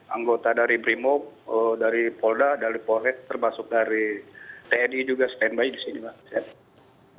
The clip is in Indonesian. anggota dari brimob dari polda dari pollet termasuk dari tni juga standby di sini pak